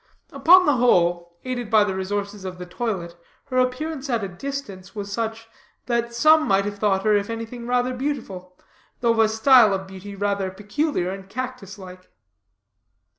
Upon the whole, aided by the resources of the toilet, her appearance at distance was such, that some might have thought her, if anything, rather beautiful, though of a style of beauty rather peculiar and cactus like.